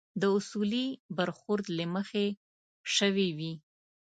د اصولي برخورد له مخې شوي وي.